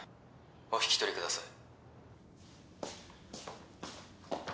お引き取りください